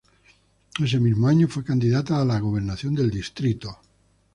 Ese mismo año fue candidata a la gobernación del Distrito.